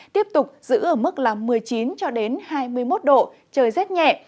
tiếp tục giữ ở mức một mươi chín hai mươi một độ trời rét nhẹ